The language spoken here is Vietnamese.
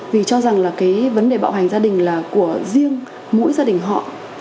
vì cho rằng là cái vấn đề bạo hành gia đình là của riêng mỗi gia đình họ